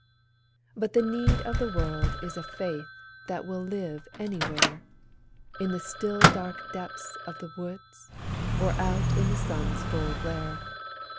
But the need of the world is a faith that will live anywhere; In the still dark depths of the woods, or out in the sun's full glare.